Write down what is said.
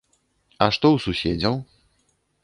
А што ў суседзяў?